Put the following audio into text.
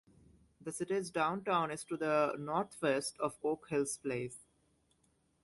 The city's downtown is to the northwest of Oak Hills Place.